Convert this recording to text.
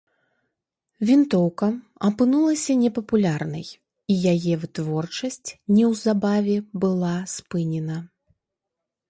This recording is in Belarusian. Вінтоўка апынулася непапулярнай, і яе вытворчасць неўзабаве была спынена.